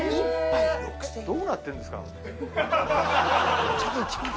どうなってんですか。